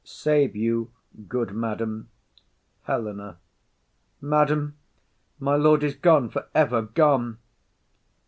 Save you, good madam. HELENA. Madam, my lord is gone, for ever gone.